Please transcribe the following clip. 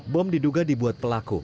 bom diduga dibuat pelaku